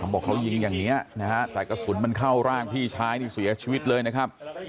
บอกเขายิงอย่างนี้นะฮะแต่กระสุนมันเข้าร่างพี่ชายนี่เสียชีวิตเลยนะครับ